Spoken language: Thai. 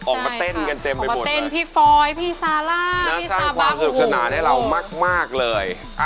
ออกมาเต้นกันเต็มไปหมดเลย